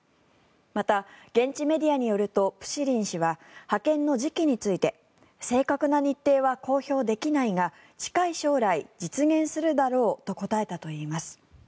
また、現地メディアによるとプシリン氏は派遣の時期について正確な日程は公表できないが近い将来、実現するだろうと答えたといいます。